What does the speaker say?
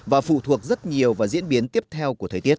và phụ thuộc rất nhiều vào diễn biến tiếp theo của thời tiết